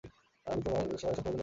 আমি এসব তোমার জন্য করেছি।